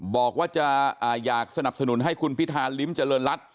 บอกว่าจะอยากสนับสนุนให้คุณพิธาลิ้มเจริญรัฐ